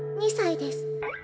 ２才です。